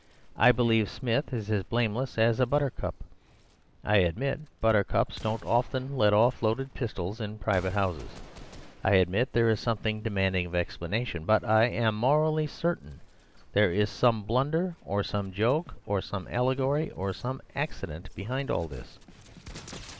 I believe Smith is as blameless as a buttercup. I admit buttercups don't often let off loaded pistols in private houses; I admit there is something demanding explanation. But I am morally certain there's some blunder, or some joke, or some allegory, or some accident behind all this.